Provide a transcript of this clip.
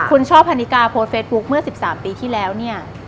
คุณช่อพันนิกาโพสต์เฟซบุ๊คเมื่อ๑๓ปีที่แล้วเนี่ย